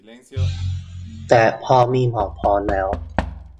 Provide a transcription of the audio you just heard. แต่พอมีหมอพร้อมแล้ว